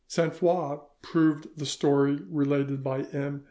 '" Sainte Foix proved the story related by M.